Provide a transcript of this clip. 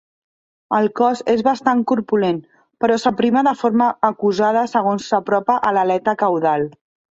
El cos és bastant corpulent, però s'aprima de forma acusada segons s'apropa a l'aleta caudal.